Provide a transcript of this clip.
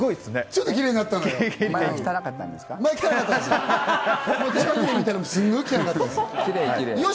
ちょっとキレイになったのよ。